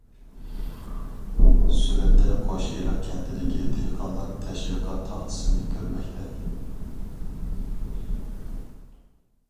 سۈرەتتە: قوشئېرىق كەنتىدىكى دېھقانلار تەشۋىقات تاختىسىنى كۆرمەكتە.